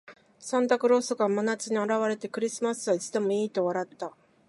サンタクロースが真夏に現れて、「クリスマスはいつでもいい」と笑った。